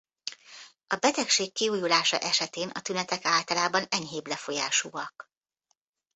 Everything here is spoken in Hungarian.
A betegség kiújulása esetén a tünetek általában enyhébb lefolyásúak.